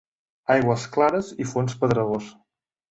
Aigües clares i fons pedregós.